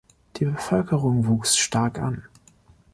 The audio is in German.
Die Bevölkerung wuchs stark an.